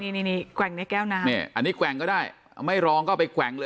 นี่นี่นี่แก้วน้ำเนี่ยอันนี้แก้งก็ได้ไม่ร้องก็ไปแก้งเลย